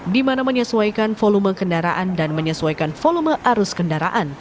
di mana menyesuaikan volume kendaraan dan menyesuaikan volume arus kendaraan